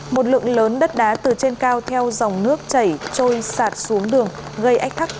một lượng lớn đất đá từ trên cao theo dòng nước chảy trôi sạt xuống đường gây ách tắc